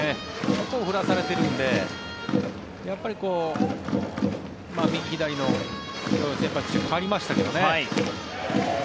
そこを振らされているのでやっぱり右左の先発変わりましたけどね。